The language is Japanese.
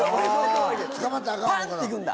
パン！っていくんだ。